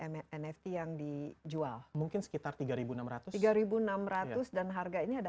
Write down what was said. sekarang sudah berapa jumlah mnf yang dijual mungkin sekitar tiga ribu enam ratus tiga ribu enam ratus dan harga ini ada